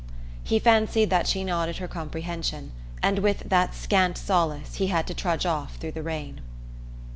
He fancied that she nodded her comprehension; and with that scant solace he had to trudge off through the rain.